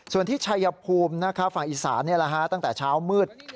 ส่วนที่ชัยภูมิฝั่งอีสานตั้งแต่เช้ามืด